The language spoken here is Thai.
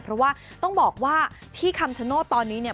เพราะว่าต้องบอกว่าที่คำชโนธตอนนี้เนี่ย